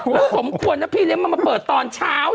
แล้วสมควรนะพี่เล็กมาเปิดตอนเช้าเธอ